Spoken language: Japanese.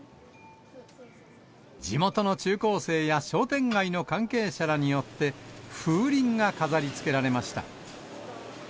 地元の中高生や商店街の関係者らによって、風鈴が飾りつけられました。